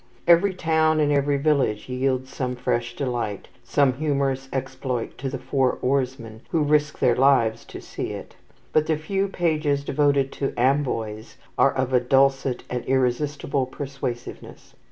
Every town and every village yields some fresh delight, some humorous exploit to the four oarsmen who risk their lives to see it; but the few pages devoted to Amboise are of a dulcet and irresistible persuasiveness.